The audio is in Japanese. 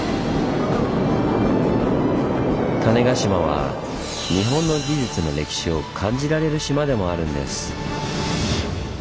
種子島は日本の技術の歴史を感じられる島でもあるんです。